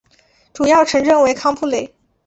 主要城镇为康布雷。